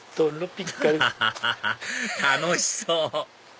アハハハハ楽しそう！